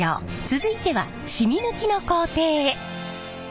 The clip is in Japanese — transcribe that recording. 続いてはしみ抜きの工程へ。